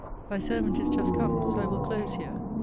Thy servant is just come; so I will close here.